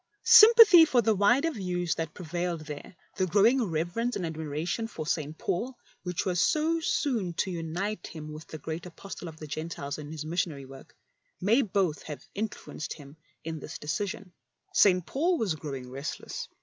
Sympathy for the wider views that pre vailed there, the growing reverence and admir ation for St. Paul, which was so soon to unite him with the great Apostle of the Gentiles in his missionary work, may both have influenced him in his decision. St. Paul was growdng restless.